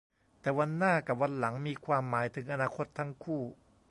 แต่ "วันหน้า" กับ "วันหลัง" มีความหมายถึงอนาคตทั้งคู่